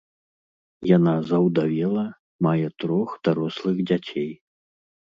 Яна заўдавела, мае трох дарослых дзяцей.